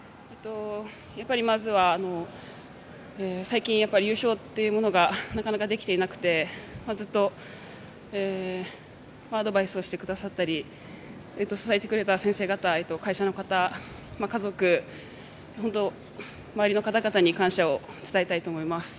やっぱり、まずは最近優勝というものがなかなかできていなくてずっとアドバイスをしてくださったり支えてくれた先生方会社の方、家族本当に周りの方々に感謝を伝えたいと思います。